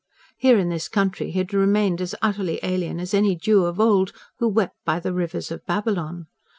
Here in this country, he had remained as utterly alien as any Jew of old who wept by the rivers of Babylon.